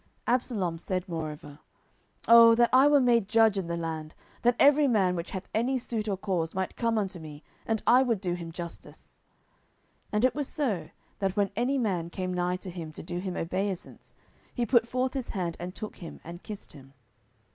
10:015:004 Absalom said moreover, Oh that I were made judge in the land, that every man which hath any suit or cause might come unto me, and I would do him justice! 10:015:005 And it was so, that when any man came nigh to him to do him obeisance, he put forth his hand, and took him, and kissed him.